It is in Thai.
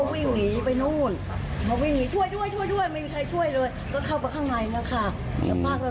แจ้งรูปแจ้งบ้านแจ้งไม่ทัน